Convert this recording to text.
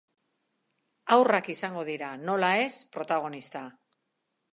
Haurrak izango dira, nola ez, protagonista.